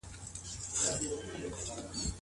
ولي افغان سوداګر طبي درمل له ایران څخه واردوي؟